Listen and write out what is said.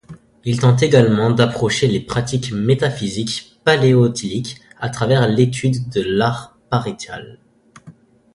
Il tente également d'approcher les pratiques métaphysiques paléolithiques à travers l'étude de l'art pariétal.